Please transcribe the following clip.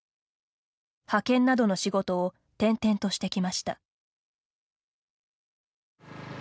派遣などの仕事を転々としてきました。